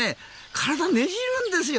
体をねじるんですよ。